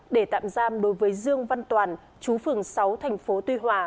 để tạm giam đối với dương văn toàn chú phường sáu thành phố tuy hòa